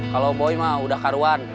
kalau boy mah udah karuan